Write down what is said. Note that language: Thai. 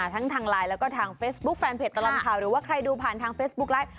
ทั้งทางไลน์แล้วก็ทางเฟซบุ๊คแฟนเพจตลอดข่าวหรือว่าใครดูผ่านทางเฟซบุ๊กไลฟ์